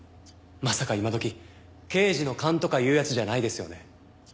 まさか今どき刑事の勘とかいうやつじゃないですよね？